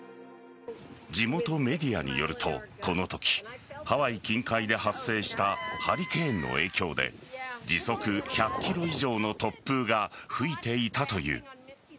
地元メディアによると、このときハワイ近海で発生したハリケーンの影響で時速１００キロ以上の突風が吹いていたという。